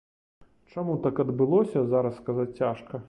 Чаму так адбылося, зараз сказаць цяжка.